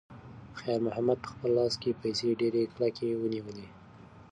خیر محمد په خپل لاس کې پیسې ډېرې کلکې ونیولې.